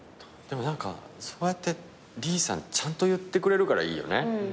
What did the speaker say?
でも何かそうやって李さんちゃんと言ってくれるからいいよね。